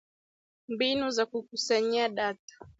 Mbinu za Kukusanyia Data